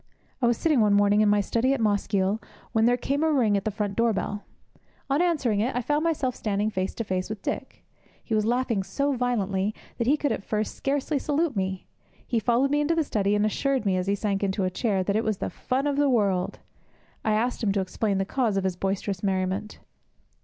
I was sitting one morning in my study at Mosgiel, when there came a ring at the front door bell. On answering it, I found myself standing face to face with Dick. He was laughing so violently that he could at first scarcely salute me. He followed me into the study, and assured me as he sank into a chair that it was the fun of the world. I asked him to explain the cause of his boisterous merriment.